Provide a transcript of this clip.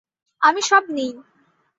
আমি সব নিই।